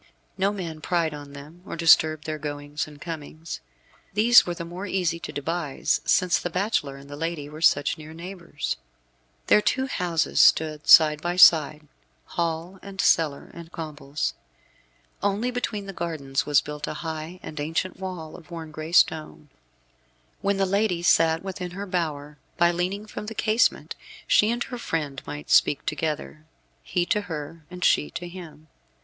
No man pried on them, or disturbed their goings and comings. These were the more easy to devise since the bachelor and the lady were such near neighbours. Their two houses stood side by side, hall and cellar and combles. Only between the gardens was built a high and ancient wall, of worn gray stone. When the lady sat within her bower, by leaning from the casement she and her friend might speak together, he to her, and she to him.